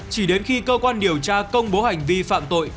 chỉ đến khi cơ quan điều tra công bố hành vi phạm tội